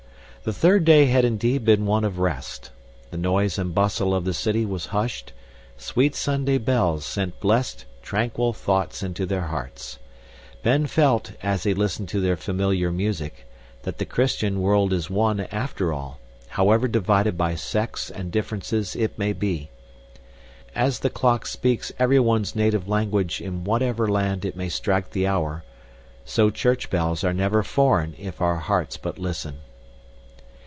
The third day had indeed been one of rest. The noise and bustle of the city was hushed; sweet Sunday bells sent blessed, tranquil thoughts into their hearts. Ben felt, as he listened to their familiar music, that the Christian world is one, after all, however divided by sects and differences it may be. As the clock speaks everyone's native language in whatever land it may strike the hour, so church bells are never foreign if our hearts but listen.